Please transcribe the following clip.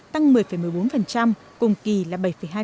tăng một mươi một mươi bốn cùng kỳ là bảy hai